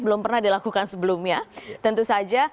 belum pernah dilakukan sebelumnya tentu saja